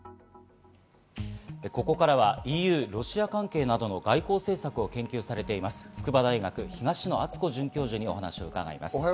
ここからはＥＵ・ロシア関係などの外交政策を研究されています、筑波大学・東野篤子准教授にお話を伺います。